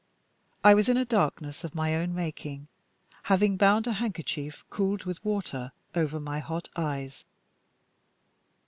I was in a darkness of my own making, having bound a handkerchief, cooled with water, over my hot eyes.